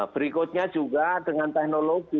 bisa dengan teknologi